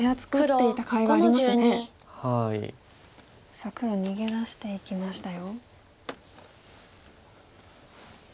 さあ黒逃げ出していきましたよ。